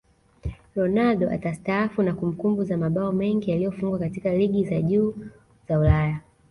Ronaldo atastaafu na kumbukumbu za mabao mengi yaliyofungwa katika ligi za juu za Ulaya